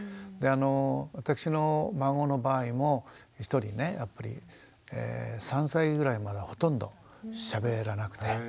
であの私の孫の場合も１人ねやっぱり３歳ぐらいまでほとんどしゃべらなくて。